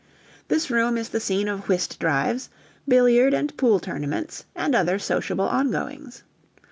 This room is the scene of whist drives, billiard and pool tournaments, and other sociable ongoings.